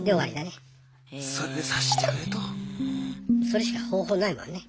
それしか方法ないもんね。